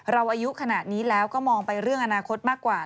อายุขนาดนี้แล้วก็มองไปเรื่องอนาคตมากกว่า